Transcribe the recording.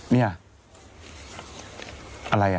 นี่อะไรอ่ะ